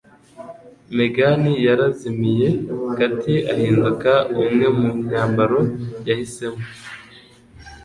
Megan yarazimiye, Katie ahinduka umwe mu myambaro yahisemo.